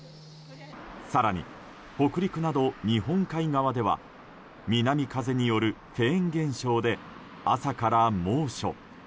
更に北陸など日本海側では南風によるフェーン現象で朝から猛暑。